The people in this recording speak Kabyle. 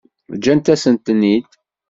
Ǧǧan-asent-ten-id.